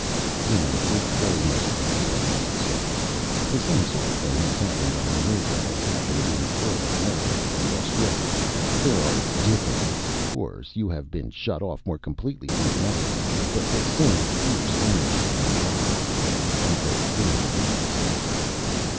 "Yes, it's very much as I expected," he said. "The same sort of thing has happened on Omega as happened in early America and Australia. There are differences, of course; you have been shut off more completely from the mother country. But the same fierce energy and drive is there, and the same ruthlessness."